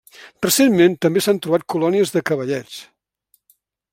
Recentment també s'han trobat colònies de cavallets.